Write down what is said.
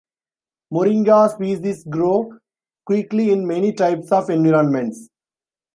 "Moringa" species grow quickly in many types of environments.